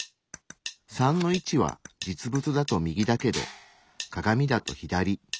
３の位置は実物だと右だけど鏡だと左。